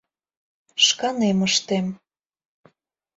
Шканем ыштем...